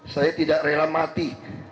saya tidak rela mati